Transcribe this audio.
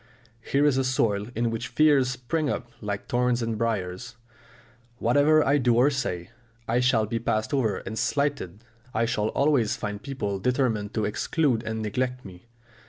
Here is a soil in which fears spring up like thorns and briars. "Whatever I do or say, I shall be passed over and slighted, I shall always find people determined to exclude and neglect me!"